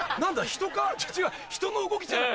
人の動きじゃない。